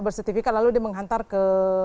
bersertifikat lalu dia menghantar ke